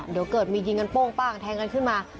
เดี๋ยวเกิดมียิงกันโป้งป้างแทงกันขึ้นมา